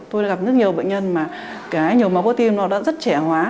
tôi gặp rất nhiều bệnh nhân mà cái nhồi máu cơ tim nó đã rất trẻ hóa